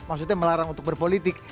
maksudnya melarang untuk berpolitik